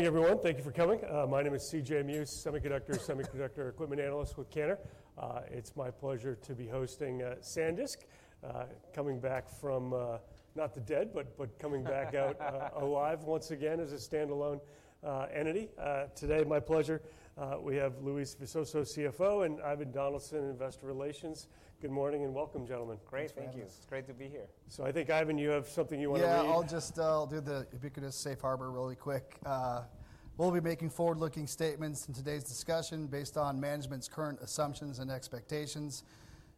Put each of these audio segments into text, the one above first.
Morning, everyone. Thank you for coming. My name is C.J. Muse, semiconductor equipment analyst with Cantor. It's my pleasure to be hosting SanDisk, coming back from not the dead, but coming back out alive once again as a standalone entity. Today, my pleasure, we have Luis Visoso, CFO, and Ivan Donaldson, Investor Relations. Good morning and welcome, gentlemen. Great. Thank you. It's great to be here. I think, Ivan, you have something you want to do. Yeah, I'll just do the ubiquitous safe harbor really quick. We'll be making forward-looking statements in today's discussion based on management's current assumptions and expectations,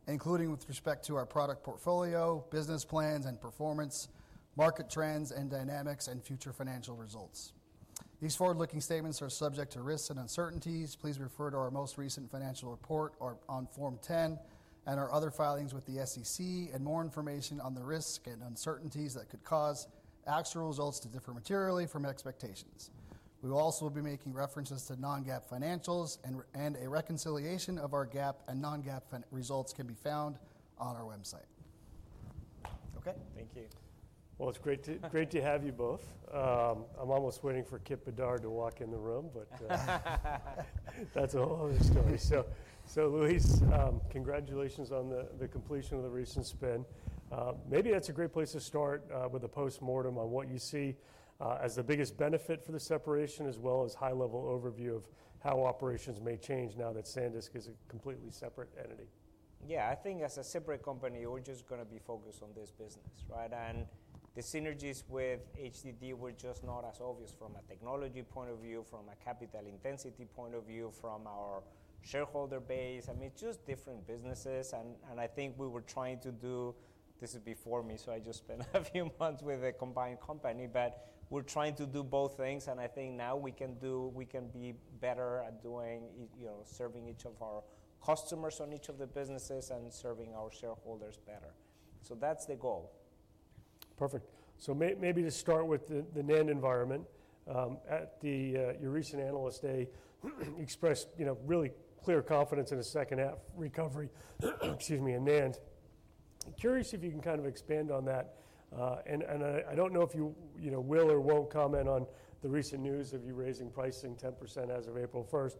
including with respect to our product portfolio, business plans and performance, market trends and dynamics, and future financial results. These forward-looking statements are subject to risks and uncertainties. Please refer to our most recent financial report on Form 10 and our other filings with the SEC and more information on the risks and uncertainties that could cause actual results to differ materially from expectations. We will also be making references to non-GAAP financials, and a reconciliation of our GAAP and non-GAAP results can be found on our website. Okay. Thank you. It's great to have you both. I'm almost waiting for Kipp Bedard to walk in the room, but that's a whole other story. Luis, congratulations on the completion of the recent spin. Maybe that's a great place to start with a postmortem on what you see as the biggest benefit for the separation, as well as a high-level overview of how operations may change now that SanDisk is a completely separate entity. Yeah, I think as a separate company, we're just going to be focused on this business, right? The synergies with HDD were just not as obvious from a technology point of view, from a capital intensity point of view, from our shareholder base. I mean, it's just different businesses. I think we were trying to do this is before me, so I just spent a few months with a combined company, but we're trying to do both things. I think now we can be better at doing, you know, serving each of our customers on each of the businesses and serving our shareholders better. That's the goal. Perfect. Maybe to start with the NAND environment, at your recent analyst, they expressed really clear confidence in a second-half recovery, or excuse me, a NAND. Curious if you can kind of expand on that. I do not know if you will or will not comment on the recent news of you raising pricing 10% as of April 1,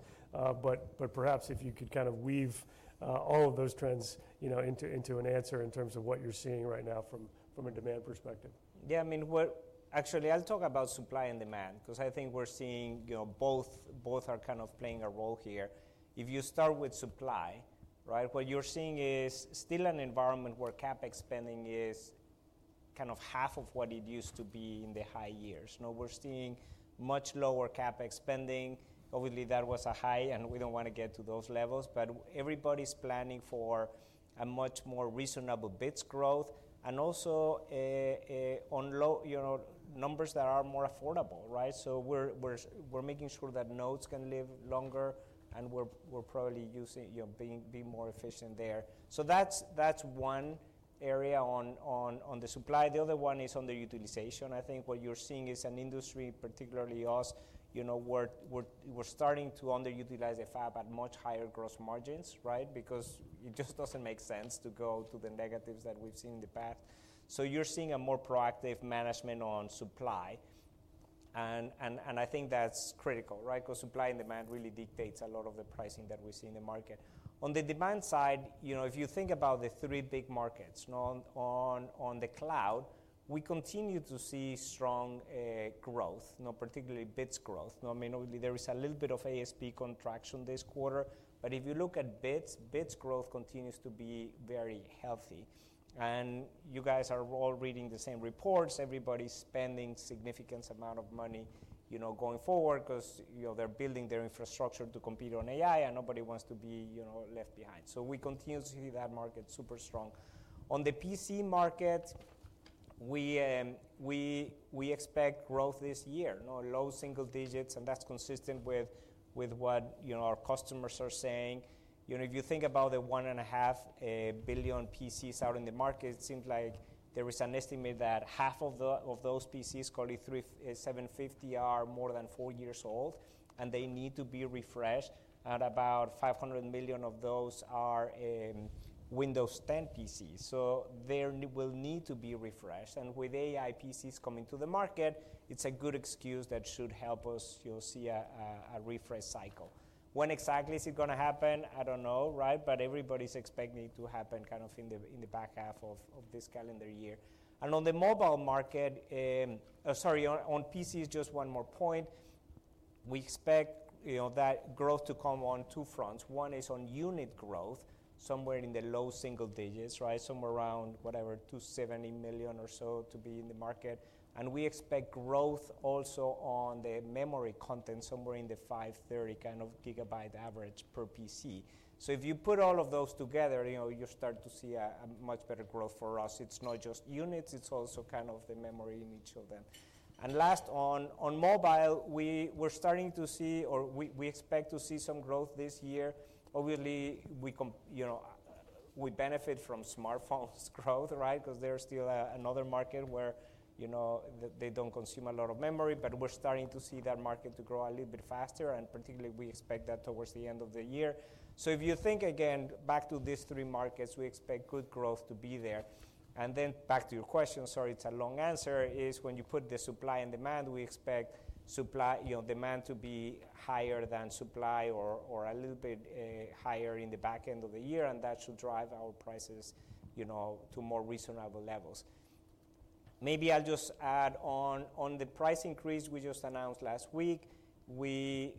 but perhaps if you could kind of weave all of those trends into an answer in terms of what you are seeing right now from a demand perspective. Yeah, I mean, actually, I'll talk about supply and demand because I think we're seeing both are kind of playing a role here. If you start with supply, right, what you're seeing is still an environment where CapEx spending is kind of half of what it used to be in the high years. We're seeing much lower CapEx spending. Obviously, that was a high, and we don't want to get to those levels, but everybody's planning for a much more reasonable bit growth and also on low numbers that are more affordable, right? We're making sure that nodes can live longer, and we're probably being more efficient there. That's one area on the supply. The other one is underutilization. I think what you're seeing is an industry, particularly us, you know, we're starting to underutilize the fab at much higher gross margins, right? Because it just doesn't make sense to go to the negatives that we've seen in the past. You're seeing a more proactive management on supply. I think that's critical, right? Because supply and demand really dictates a lot of the pricing that we see in the market. On the demand side, you know, if you think about the three big markets on the cloud, we continue to see strong growth, particularly bit growth. I mean, there is a little bit of ASP contraction this quarter, but if you look at bit growth, bit growth continues to be very healthy. You guys are all reading the same reports. Everybody's spending a significant amount of money going forward because they're building their infrastructure to compete on AI, and nobody wants to be left behind. We continue to see that market super strong. On the PC market, we expect growth this year, low-single-digits, and that's consistent with what our customers are saying. If you think about the 1.5 billion PCs out in the market, it seems like there is an estimate that half of those PCs, [Core i3, Arc A750], are more than four years old, and they need to be refreshed. And about 500 million of those are Windows 10 PCs. So there will need to be refreshed. With AI PCs coming to the market, it's a good excuse that should help us see a refresh cycle. When exactly is it going to happen? I don't know, right? Everybody's expecting it to happen kind of in the back half of this calendar year. On the mobile market, sorry, on PCs, just one more point. We expect that growth to come on two fronts. One is on unit growth, somewhere in the low single digits, right? Somewhere around, whatever, 270 million or so to be in the market. We expect growth also on the memory content, somewhere in the 530 GB kind of average per PC. If you put all of those together, you start to see a much better growth for us. It's not just units, it's also kind of the memory in each of them. Last, on mobile, we're starting to see, or we expect to see some growth this year. Obviously, we benefit from smartphones' growth, right? Because they're still another market where they do not consume a lot of memory, but we're starting to see that market grow a little bit faster. Particularly, we expect that towards the end of the year. If you think, again, back to these three markets, we expect good growth to be there. Back to your question, sorry, it's a long answer, when you put the supply and demand, we expect demand to be higher than supply or a little bit higher in the back end of the year, and that should drive our prices to more reasonable levels. Maybe I'll just add on the price increase we just announced last week. We've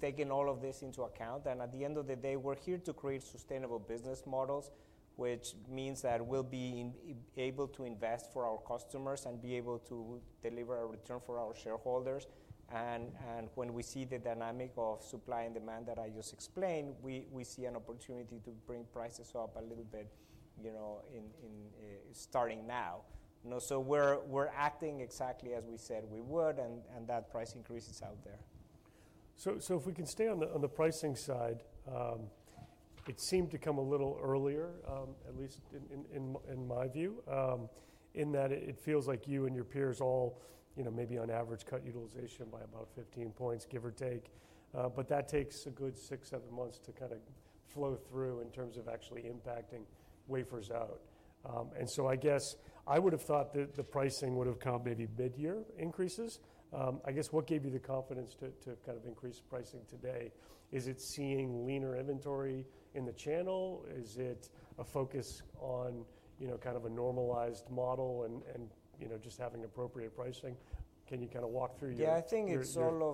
taken all of this into account. At the end of the day, we're here to create sustainable business models, which means that we'll be able to invest for our customers and be able to deliver a return for our shareholders. When we see the dynamic of supply and demand that I just explained, we see an opportunity to bring prices up a little bit starting now. We're acting exactly as we said we would, and that price increase is out there. If we can stay on the pricing side, it seemed to come a little earlier, at least in my view, in that it feels like you and your peers all maybe on average cut utilization by about 15 points, give or take. That takes a good six, seven months to kind of flow through in terms of actually impacting wafers out. I guess I would have thought that the pricing would have come maybe mid-year increases. I guess what gave you the confidence to kind of increase pricing today? Is it seeing leaner inventory in the channel? Is it a focus on kind of a normalized model and just having appropriate pricing? Can you kind of walk through your experience? Yeah, I think it's all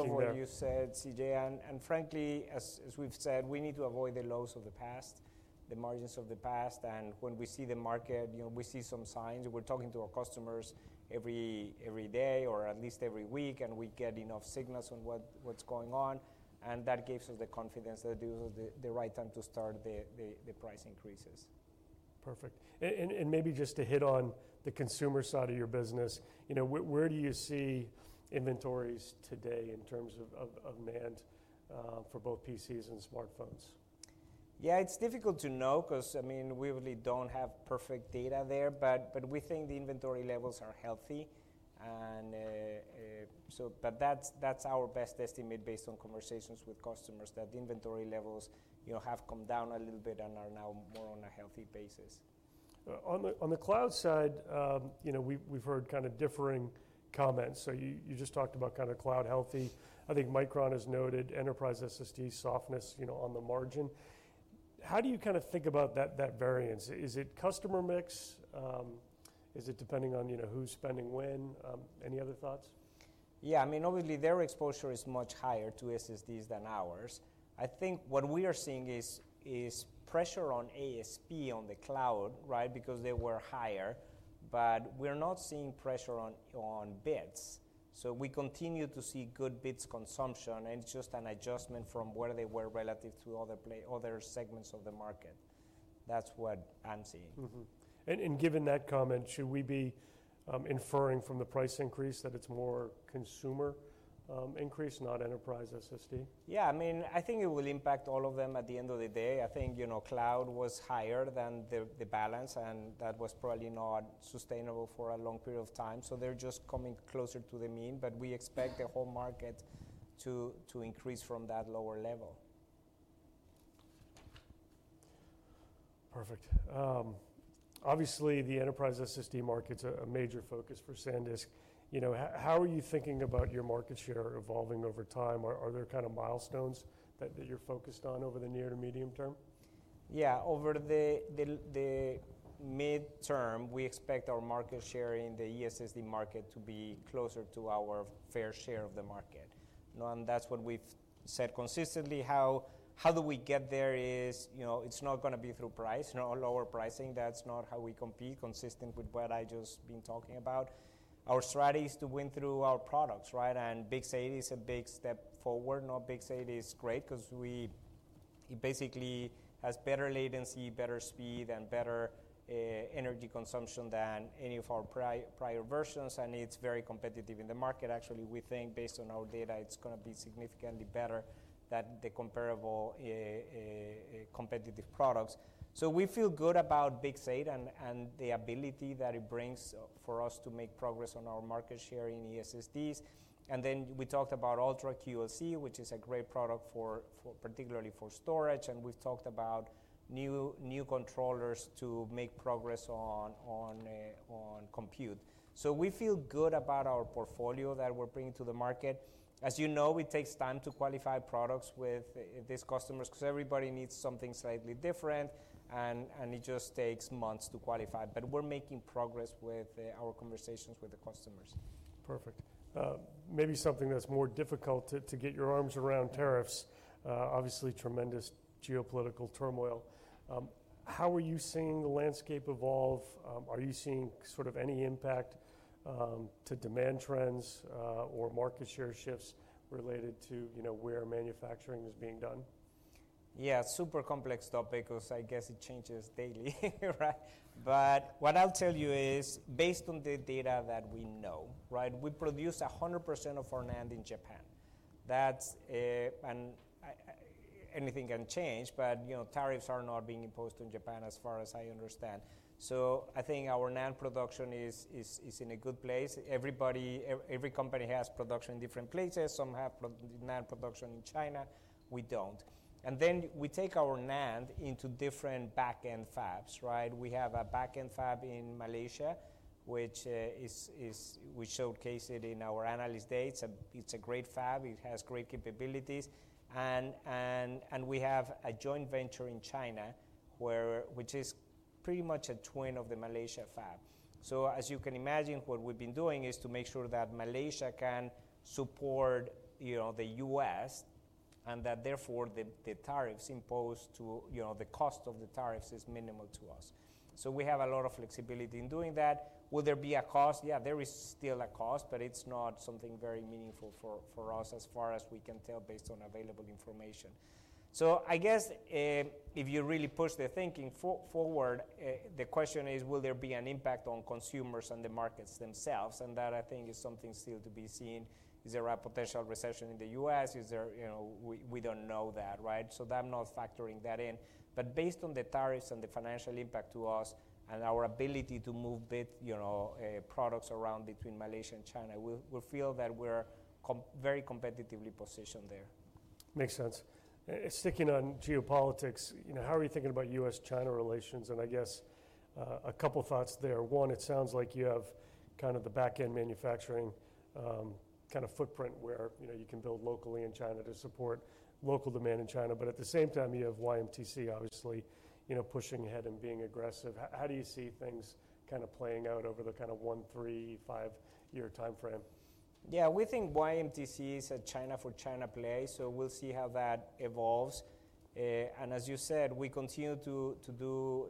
of what you said, C.J. Muse. Frankly, as we've said, we need to avoid the lows of the past, the margins of the past. When we see the market, we see some signs. We're talking to our customers every day or at least every week, and we get enough signals on what's going on. That gives us the confidence that it was the right time to start the price increases. Perfect. Maybe just to hit on the consumer side of your business, where do you see inventories today in terms of NAND for both PCs and smartphones? Yeah, it's difficult to know because, I mean, we really don't have perfect data there, but we think the inventory levels are healthy. That's our best estimate based on conversations with customers that the inventory levels have come down a little bit and are now more on a healthy basis. On the cloud side, we've heard kind of differing comments. You just talked about kind of cloud healthy. I think Micron has noted enterprise SSD softness on the margin. How do you kind of think about that variance? Is it customer mix? Is it depending on who's spending when? Any other thoughts? Yeah, I mean, obviously, their exposure is much higher to SSDs than ours. I think what we are seeing is pressure on ASP on the cloud, right, because they were higher, but we're not seeing pressure on bits. So we continue to see good bits consumption, and it's just an adjustment from where they were relative to other segments of the market. That's what I'm seeing. Given that comment, should we be inferring from the price increase that it's more consumer increase, not enterprise SSD? Yeah, I mean, I think it will impact all of them at the end of the day. I think cloud was higher than the balance, and that was probably not sustainable for a long period of time. They are just coming closer to the mean, but we expect the whole market to increase from that lower level. Perfect. Obviously, the enterprise SSD market's a major focus for SanDisk. How are you thinking about your market share evolving over time? Are there kind of milestones that you're focused on over the near to medium term? Yeah, over the midterm, we expect our market share in the E-SSD market to be closer to our fair share of the market. That's what we've said consistently. How do we get there is it's not going to be through price, lower pricing. That's not how we compete, consistent with what I've just been talking about. Our strategy is to win through our products, right? BiCS8 is a big step forward. Now, BiCS8 is great because it basically has better latency, better speed, and better energy consumption than any of our prior versions. It's very competitive in the market. Actually, we think based on our data, it's going to be significantly better than the comparable competitive products. We feel good about BiCS8 and the ability that it brings for us to make progress on our market share in E-SSDs. We talked about UltraQLC, which is a great product, particularly for storage. We have talked about new controllers to make progress on compute. We feel good about our portfolio that we're bringing to the market. As you know, it takes time to qualify products with these customers because everybody needs something slightly different. It just takes months to qualify. We are making progress with our conversations with the customers. Perfect. Maybe something that's more difficult to get your arms around, tariffs, obviously tremendous geopolitical turmoil. How are you seeing the landscape evolve? Are you seeing sort of any impact to demand trends or market share shifts related to where manufacturing is being done? Yeah, super complex topic because I guess it changes daily, right? What I'll tell you is based on the data that we know, right? We produce 100% of our NAND in Japan. Anything can change, but tariffs are not being imposed in Japan as far as I understand. I think our NAND production is in a good place. Every company has production in different places. Some have NAND production in China. We don't. We take our NAND into different back-end fabs, right? We have a back-end fab in Malaysia, which we showcased in our analyst days. It's a great fab. It has great capabilities. We have a joint venture in China, which is pretty much a twin of the Malaysia fab. As you can imagine, what we've been doing is to make sure that Malaysia can support the U.S. and that therefore the tariffs imposed, the cost of the tariffs, is minimal to us. We have a lot of flexibility in doing that. Will there be a cost? Yeah, there is still a cost, but it's not something very meaningful for us as far as we can tell based on available information. I guess if you really push the thinking forward, the question is, will there be an impact on consumers and the markets themselves? That I think is something still to be seen. Is there a potential recession in the U.S.? We don't know that, right? I'm not factoring that in. Based on the tariffs and the financial impact to us and our ability to move products around between Malaysia and China, we feel that we're very competitively positioned there. Makes sense. Sticking on geopolitics, how are you thinking about U.S.-China relations? I guess a couple of thoughts there. One, it sounds like you have kind of the back-end manufacturing kind of footprint where you can build locally in China to support local demand in China. At the same time, you have YMTC, obviously, pushing ahead and being aggressive. How do you see things kind of playing out over the kind of one, three, five-year timeframe? Yeah, we think YMTC is a China for China play. We will see how that evolves. As you said, we continue to do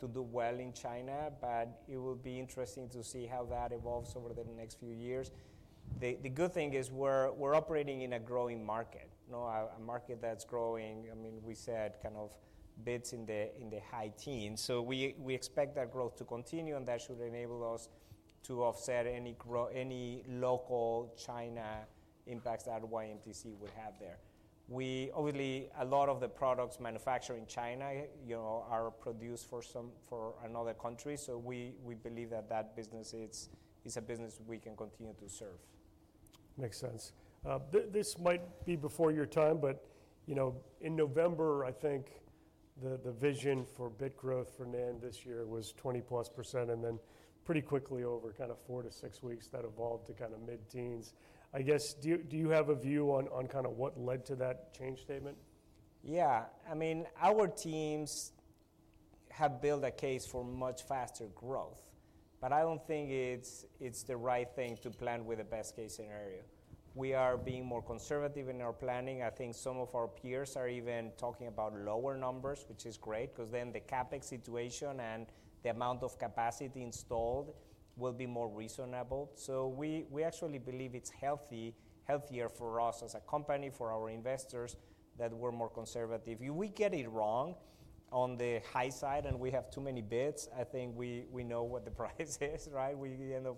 well in China, but it will be interesting to see how that evolves over the next few years. The good thing is we're operating in a growing market, a market that's growing. I mean, we said kind of bits in the high teens. We expect that growth to continue, and that should enable us to offset any local China impacts that YMTC would have there. Obviously, a lot of the products manufactured in China are produced for another country. We believe that business is a business we can continue to serve. Makes sense. This might be before your time, but in November, I think the vision for bit growth for NAND this year was +20%, and then pretty quickly over kind of four to six weeks, that evolved to kind of mid-teens. I guess, do you have a view on kind of what led to that change statement? Yeah. I mean, our teams have built a case for much faster growth, but I do not think it is the right thing to plan with the best-case scenario. We are being more conservative in our planning. I think some of our peers are even talking about lower numbers, which is great because then the CapEx situation and the amount of capacity installed will be more reasonable. We actually believe it is healthier for us as a company, for our investors, that we are more conservative. If we get it wrong on the high side and we have too many bits, I think we know what the price is, right? We end up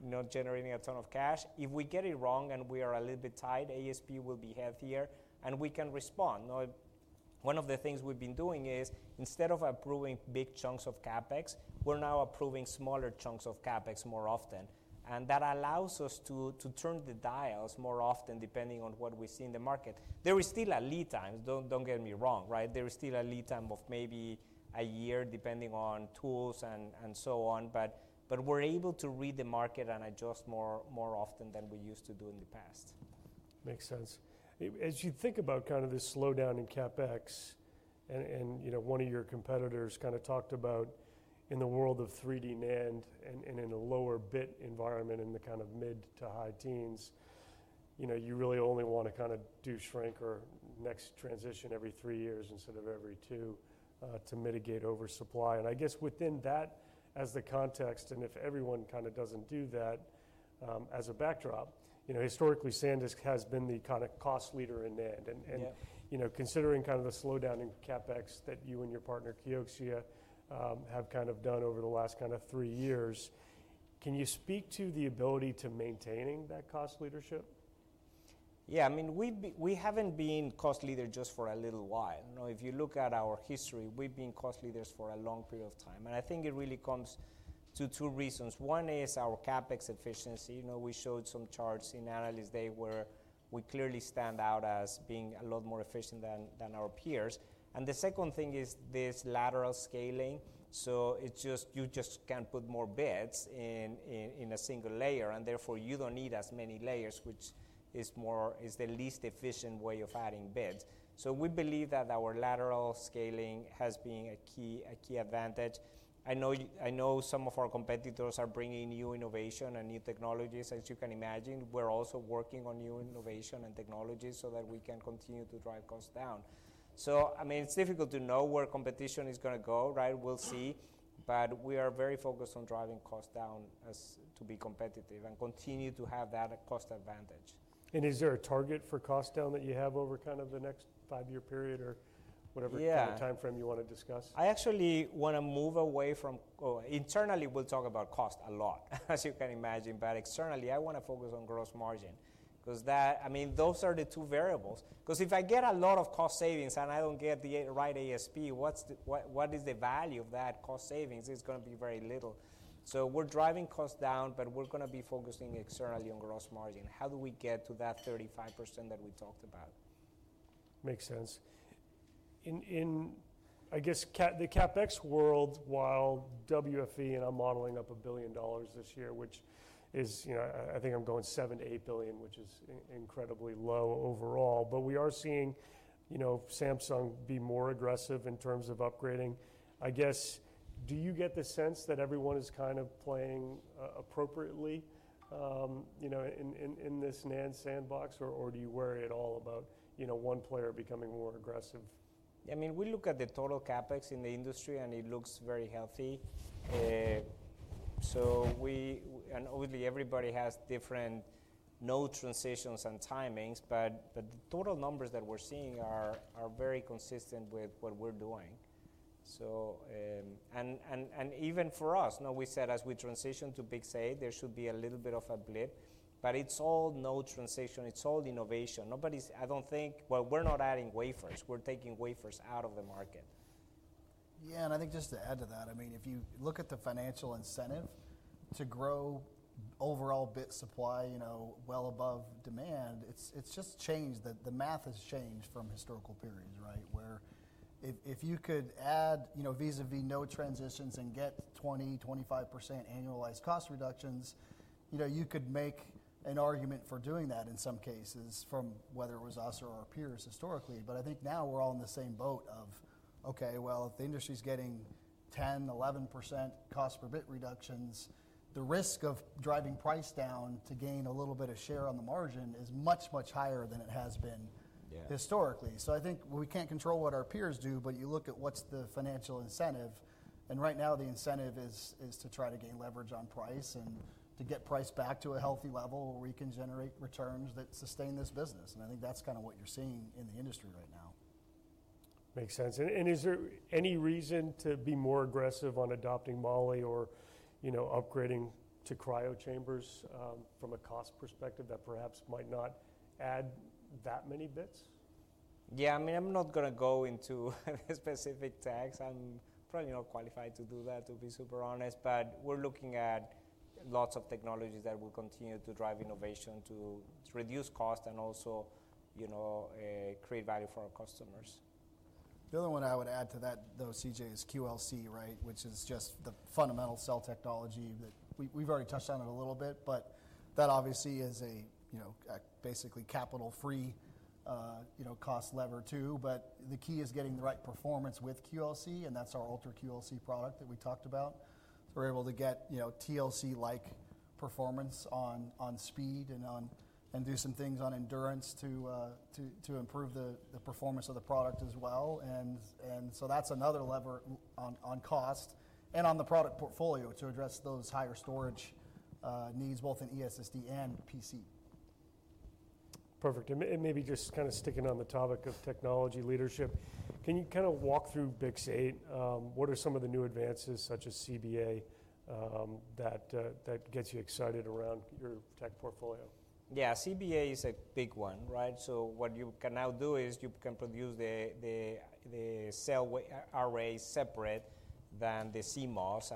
not generating a ton of cash. If we get it wrong and we are a little bit tight, ASP will be healthier and we can respond. One of the things we've been doing is instead of approving big chunks of CapEx, we're now approving smaller chunks of CapEx more often. That allows us to turn the dials more often depending on what we see in the market. There is still a lead time, don't get me wrong, right? There is still a lead time of maybe a year depending on tools and so on, but we're able to read the market and adjust more often than we used to do in the past. Makes sense. As you think about kind of this slowdown in CapEx, and one of your competitors kind of talked about in the world of 3D NAND and in a lower bit environment in the kind of mid to high teens, you really only want to kind of do shrink or next transition every three years instead of every two to mitigate oversupply. I guess within that, as the context, and if everyone kind of does not do that as a backdrop, historically, SanDisk has been the kind of cost leader in NAND. Considering kind of the slowdown in CapEx that you and your partner, Kioxia, have kind of done over the last kind of three years, can you speak to the ability to maintain that cost leadership? Yeah, I mean, we haven't been cost leader just for a little while. If you look at our history, we've been cost leaders for a long period of time. I think it really comes to two reasons. One is our CapEx efficiency. We showed some charts in analyst day where we clearly stand out as being a lot more efficient than our peers. The second thing is this lateral scaling. You just can't put more bits in a single layer, and therefore you don't need as many layers, which is the least efficient way of adding bits. We believe that our lateral scaling has been a key advantage. I know some of our competitors are bringing new innovation and new technologies, as you can imagine. We're also working on new innovation and technology so that we can continue to drive costs down. I mean, it's difficult to know where competition is going to go, right? We'll see. But we are very focused on driving costs down to be competitive and continue to have that cost advantage. Is there a target for cost down that you have over kind of the next five-year period or whatever time frame you want to discuss? I actually want to move away from internally, we'll talk about cost a lot, as you can imagine. I want to focus on gross margin because I mean, those are the two variables. Because if I get a lot of cost savings and I don't get the right ASP, what is the value of that cost savings? It's going to be very little. We are driving costs down, but we are going to be focusing externally on gross margin. How do we get to that 35% that we talked about? Makes sense. In, I guess, the CapEx world, while WFE and I'm modeling up $1 billion this year, which is, I think I'm going $7 billion-$8 billion, which is incredibly low overall. We are seeing Samsung be more aggressive in terms of upgrading. I guess, do you get the sense that everyone is kind of playing appropriately in this NAND sandbox, or do you worry at all about one player becoming more aggressive? I mean, we look at the total CapEx in the industry, and it looks very healthy. Obviously, everybody has different node transitions and timings, but the total numbers that we're seeing are very consistent with what we're doing. Even for us, we said as we transition to BiCS8, there should be a little bit of a blip. It is all node transition. It is all innovation. I do not think, well, we are not adding wafers. We are taking wafers out of the market. Yeah, and I think just to add to that, I mean, if you look at the financial incentive to grow overall bit supply well above demand, it's just changed. The math has changed from historical periods, right? Where if you could add vis-à-vis node transitions and get 20%-25% annualized cost reductions, you could make an argument for doing that in some cases from whether it was us or our peers historically. I think now we're all in the same boat of, okay, if the industry is getting 10%-11% cost per bit reductions, the risk of driving price down to gain a little bit of share on the margin is much, much higher than it has been historically. I think we can't control what our peers do, but you look at what's the financial incentive. Right now, the incentive is to try to gain leverage on price and to get price back to a healthy level where we can generate returns that sustain this business. I think that's kind of what you're seeing in the industry right now. Makes sense. Is there any reason to be more aggressive on adopting Molly or upgrading to cryochambers from a cost perspective that perhaps might not add that many bits? Yeah, I mean, I'm not going to go into specific tags. I'm probably not qualified to do that, to be super honest. But we're looking at lots of technologies that will continue to drive innovation to reduce cost and also create value for our customers. The other one I would add to that, though, C.J., is QLC, right? Which is just the fundamental cell technology that we've already touched on it a little bit, but that obviously is basically capital-free cost lever too. The key is getting the right performance with QLC, and that's our UltraQLC product that we talked about. We are able to get TLC-like performance on speed and do some things on endurance to improve the performance of the product as well. That is another lever on cost and on the product portfolio to address those higher storage needs, both in E-SSD and PC. Perfect. Maybe just kind of sticking on the topic of technology leadership, can you kind of walk through BiCS8? What are some of the new advances, such as CBA, that get you excited around your tech portfolio? Yeah, CBA is a big one, right? What you can now do is you can produce the cell arrays separate than the CMOS.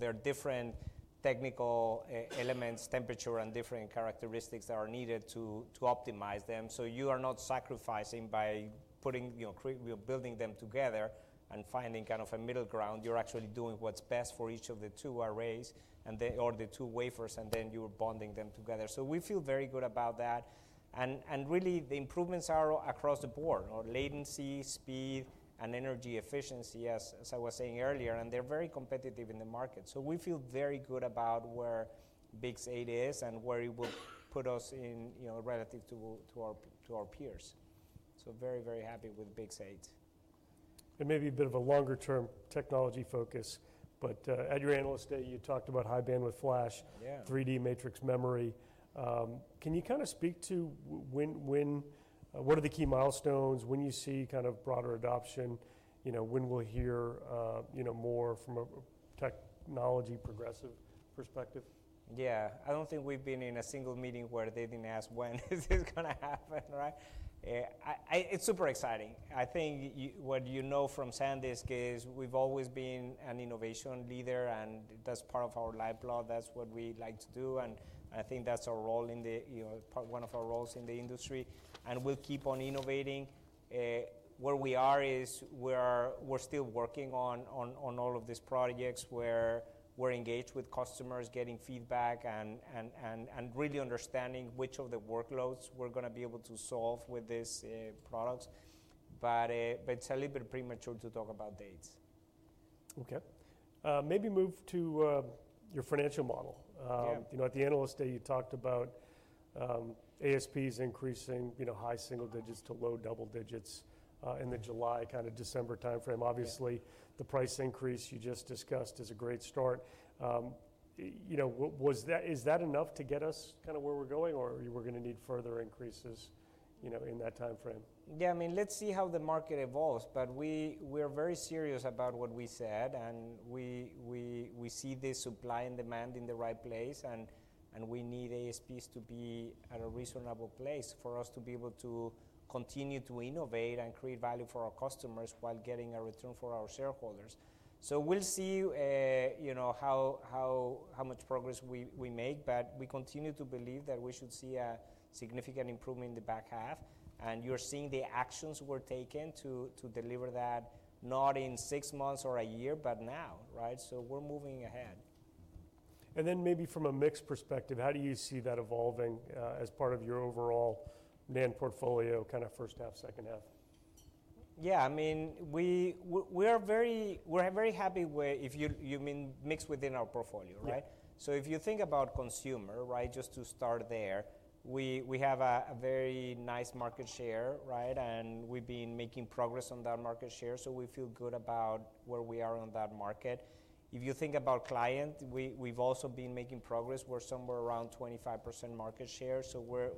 There are different technical elements, temperature, and different characteristics that are needed to optimize them. You are not sacrificing by building them together and finding kind of a middle ground. You are actually doing what is best for each of the two arrays or the two wafers, and then you are bonding them together. We feel very good about that. Really, the improvements are across the board, latency, speed, and energy efficiency, as I was saying earlier. They are very competitive in the market. We feel very good about where BiCS8 is and where it will put us relative to our peers. Very, very happy with BiCS8. Maybe a bit of a longer-term technology focus. At your Analyst Day, you talked about high-bandwidth flash, 3D matrix memory. Can you kind of speak to what are the key milestones? When you see kind of broader adoption, when we'll hear more from a technology progressive perspective? Yeah, I don't think we've been in a single meeting where they didn't ask when this is going to happen, right? It's super exciting. I think what you know from SanDisk is we've always been an innovation leader, and that's part of our lifeblood. That's what we like to do. I think that's one of our roles in the industry. We'll keep on innovating. Where we are is we're still working on all of these projects where we're engaged with customers, getting feedback, and really understanding which of the workloads we're going to be able to solve with these products. It's a little bit premature to talk about dates. Okay. Maybe move to your financial model. At the Analyst Day, you talked about ASPs increasing high single digits to low double digits in the July kind of December timeframe. Obviously, the price increase you just discussed is a great start. Is that enough to get us kind of where we're going, or are we going to need further increases in that timeframe? Yeah, I mean, let's see how the market evolves. We are very serious about what we said, and we see the supply and demand in the right place. We need ASPs to be at a reasonable place for us to be able to continue to innovate and create value for our customers while getting a return for our shareholders. We will see how much progress we make. We continue to believe that we should see a significant improvement in the back half. You are seeing the actions we are taking to deliver that not in six months or a year, but now, right? We are moving ahead. From a mixed perspective, how do you see that evolving as part of your overall NAND portfolio kind of first half, second half? Yeah, I mean, we're very happy if you mean mixed within our portfolio, right? If you think about consumer, right, just to start there, we have a very nice market share, right? We've been making progress on that market share. We feel good about where we are on that market. If you think about client, we've also been making progress. We're somewhere around 25% market share.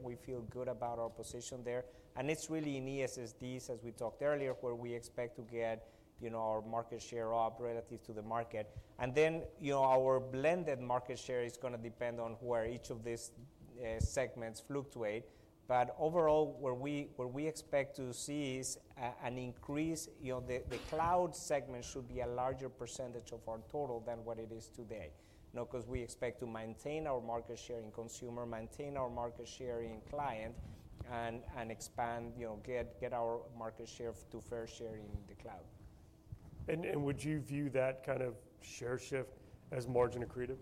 We feel good about our position there. It's really in E-SSDs, as we talked earlier, where we expect to get our market share up relative to the market. Our blended market share is going to depend on where each of these segments fluctuate. Overall, where we expect to see is an increase. The cloud segment should be a larger percentage of our total than what it is today. Because we expect to maintain our market share in consumer, maintain our market share in client, and expand, get our market share to fair share in the cloud. Would you view that kind of share shift as margin accretive?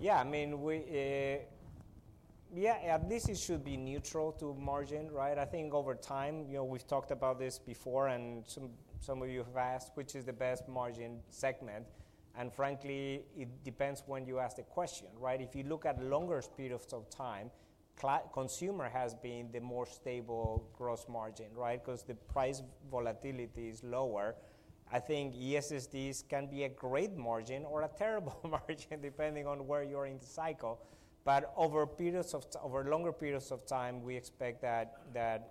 Yeah, I mean, yeah, at least it should be neutral to margin, right? I think over time, we've talked about this before, and some of you have asked, which is the best margin segment? And frankly, it depends when you ask the question, right? If you look at longer periods of time, consumer has been the more stable gross margin, right? Because the price volatility is lower. I think E-SSDs can be a great margin or a terrible margin depending on where you're in the cycle. But over longer periods of time, we expect that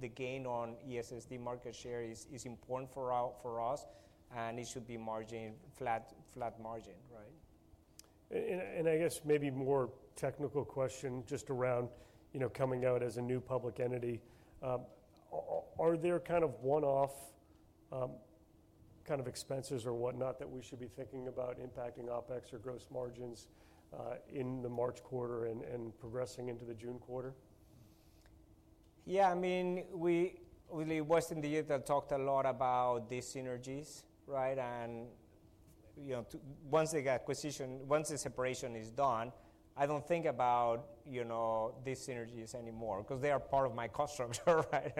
the gain on E-SSD market share is important for us, and it should be flat margin, right? I guess maybe more technical question just around coming out as a new public entity. Are there kind of one-off kind of expenses or whatnot that we should be thinking about impacting OpEx or gross margins in the March quarter and progressing into the June quarter? Yeah, I mean, it was in the year that I talked a lot about these synergies, right? Once the separation is done, I do not think about these synergies anymore because they are part of my cost structure, right?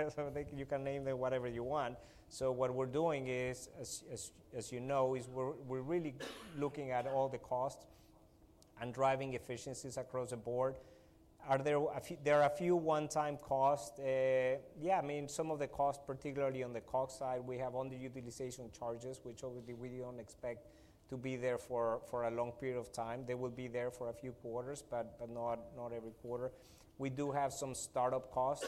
You can name them whatever you want. What we are doing is, as you know, we are really looking at all the costs and driving efficiencies across the board. There are a few one-time costs. Yeah, I mean, some of the costs, particularly on the COGS side, we have underutilization charges, which obviously we do not expect to be there for a long period of time. They will be there for a few quarters, but not every quarter. We do have some startup costs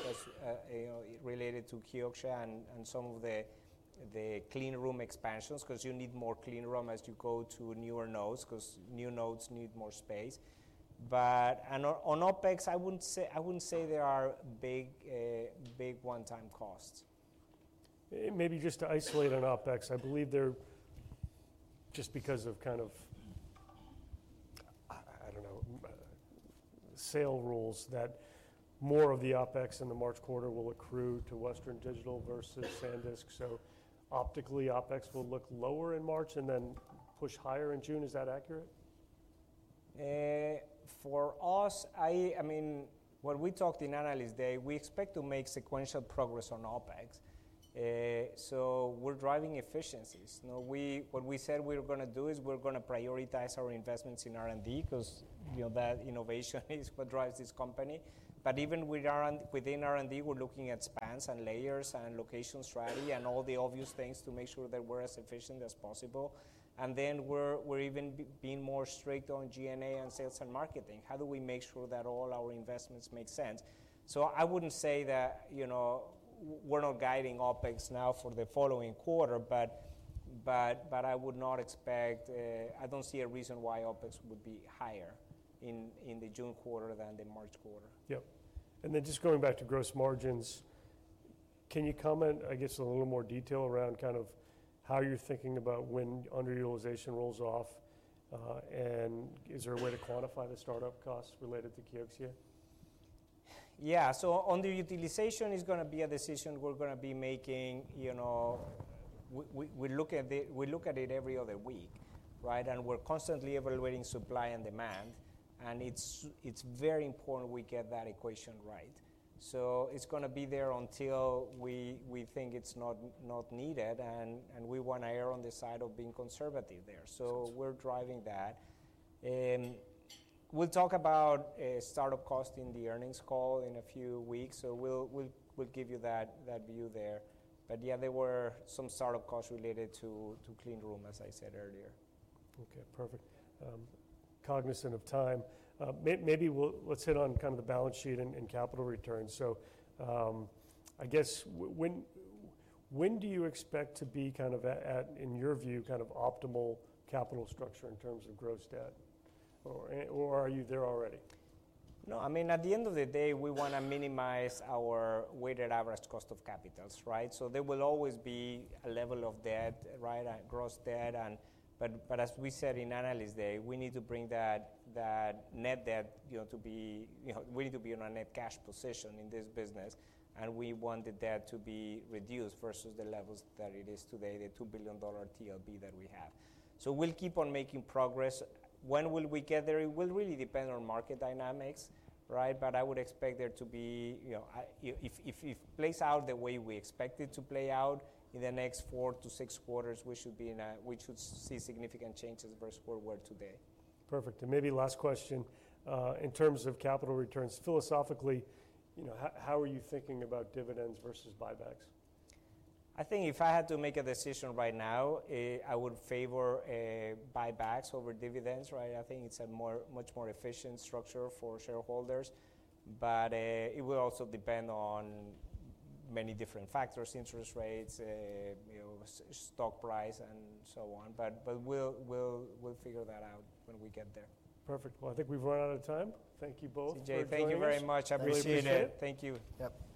related to Kioxia and some of the clean room expansions because you need more clean room as you go to newer nodes because new nodes need more space. On OpEx, I wouldn't say there are big one-time costs. Maybe just to isolate on OpEx, I believe they're just because of kind of, I don't know, sale rules that more of the OpEx in the March quarter will accrue to Western Digital versus SanDisk. Optically, OpEx will look lower in March and then push higher in June. Is that accurate? For us, I mean, when we talked in Analyst Day, we expect to make sequential progress on OpEx. We are driving efficiencies. What we said we were going to do is we are going to prioritize our investments in R&D because that innovation is what drives this company. Even within R&D, we are looking at spans and layers and location strategy and all the obvious things to make sure that we are as efficient as possible. We are even being more strict on G&A and sales and marketing. How do we make sure that all our investments make sense? I would not say that we are not guiding OpEx now for the following quarter, but I would not expect, I do not see a reason why OpEx would be higher in the June quarter than the March quarter. Yep. Just going back to gross margins, can you comment, I guess, in a little more detail around kind of how you're thinking about when underutilization rolls off? Is there a way to quantify the startup costs related to Kioxia? Yeah. Underutilization is going to be a decision we're going to be making. We look at it every other week, right? We're constantly evaluating supply and demand. It's very important we get that equation right. It's going to be there until we think it's not needed. We want to err on the side of being conservative there. We're driving that. We'll talk about startup costs in the earnings call in a few weeks. We'll give you that view there. Yeah, there were some startup costs related to clean room, as I said earlier. Okay, perfect. Cognizant of time, maybe let's hit on kind of the balance sheet and capital returns. I guess when do you expect to be kind of, in your view, kind of optimal capital structure in terms of gross debt? Or are you there already? No, I mean, at the end of the day, we want to minimize our weighted average cost of capitals, right? There will always be a level of debt, right, gross debt. As we said in Analyst Day, we need to bring that net debt to be, we need to be in a net cash position in this business. We want the debt to be reduced versus the levels that it is today, the $2 billion TLB that we have. We will keep on making progress. When will we get there? It will really depend on market dynamics, right? I would expect there to be, if it plays out the way we expect it to play out in the next four to six quarters, we should see significant changes versus where we're today. Perfect. Maybe last question in terms of capital returns. Philosophically, how are you thinking about dividends versus buybacks? I think if I had to make a decision right now, I would favor buybacks over dividends, right? I think it's a much more efficient structure for shareholders. It will also depend on many different factors: interest rates, stock price, and so on. We'll figure that out when we get there. Perfect. I think we've run out of time. Thank you both. Thank you very much. I appreciate it. Thank you. Yep.